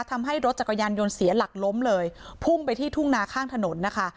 ทำให้รถจักรยานยนต์เสียหลักล้มเลยพุ่งไปที่ทุ่งนาข้างถนนนะคะ